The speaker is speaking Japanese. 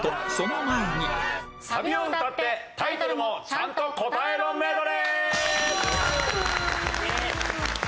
サビを歌ってタイトルもちゃんと答えろメドレー！